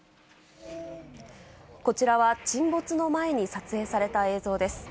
こちらは沈没の前に撮影された映像です。